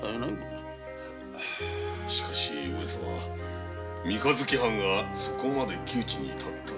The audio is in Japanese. だが上様三日月藩がそこまで窮地に立ったのは。